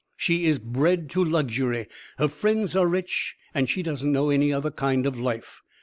She is bred to luxury, her friends are rich, and she doesn't know any other kind of life.